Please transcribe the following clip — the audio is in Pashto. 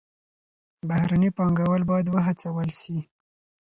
بهرني پانګوال بايد وهڅول سي.